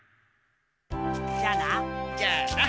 じゃあな。